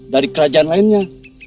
dari kerajaan lainnya